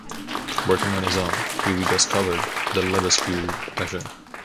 Working on his own, he rediscovered the Lebesgue measure.